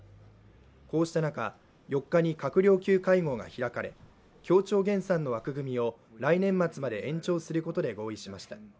こうした中、４日に閣僚級会合が開かれ、協調減産の枠組みを来年末まで延長することで合意しました。